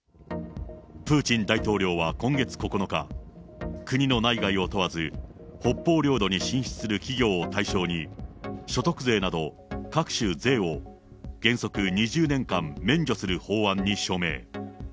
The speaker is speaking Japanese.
プーチン大統領は今月９日、国の内外を問わず、北方領土に進出する企業を対象に、所得税など各種税を原則２０年間免除する法案に署名。